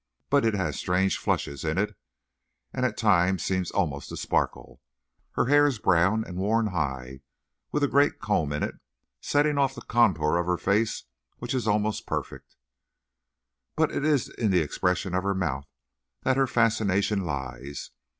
But it has strange flushes in it, and at times seems almost to sparkle. Her hair is brown, and worn high, with a great comb in it, setting off the contour of her face, which is almost perfect. But it is in the expression of her mouth that her fascination lies.